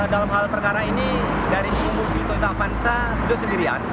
dalam hal perkara ini dari bkt tavansa dia sendirian